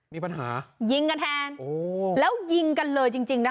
มีปัญหายิงกันแทนแล้วยิงกันเลยจริงนะคะ